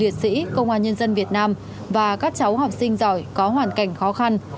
liệt sĩ công an nhân dân việt nam và các cháu học sinh giỏi có hoàn cảnh khó khăn